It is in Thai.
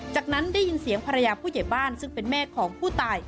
จากนั้นได้ยินเสียงภรรยาผู้ใหญ่บ้านซึ่งเป็นแม่ของผู้ตาย